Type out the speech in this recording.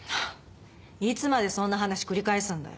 いつまでそんな話繰り返すんだよ。